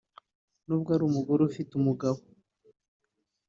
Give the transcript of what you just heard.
nubwo ari umugore ufite umugabo